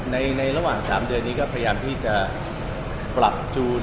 ในระหว่าง๓เดือนนี้ก็พยายามที่จะปรับจูน